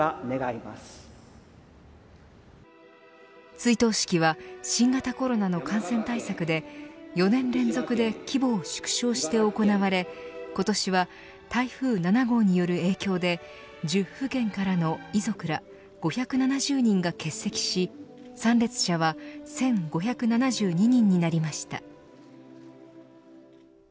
追悼式は新型コロナの感染対策で４年連続で規模を縮小して行われ今年は台風７号による影響で１０府県からの遺族ら５７０人が欠席し参列者は１５７２人になりました。